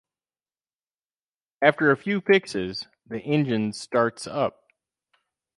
After a few fixes, the engines starts up.